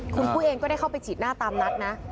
คุณปุ้ยเองก็ได้เข้าไปฉีดหน้าตามนัดนะ